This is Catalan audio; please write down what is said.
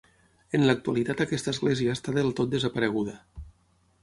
En l'actualitat aquesta església està del tot desapareguda.